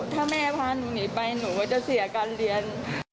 ถ้าแม่พาหนูหนีไปหนูก็จะเสียการเรียน